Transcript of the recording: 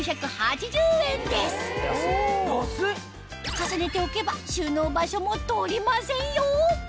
重ねておけば収納場所も取りませんよ